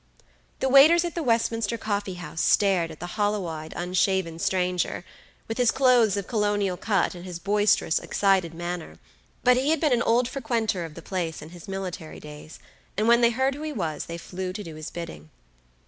The waiters at the Westminster coffee house stared at the hollow eyed, unshaven stranger, with his clothes of colonial cut, and his boisterous, excited manner; but he had been an old frequenter of the place in his military days, and when they heard who he was they flew to do his bidding.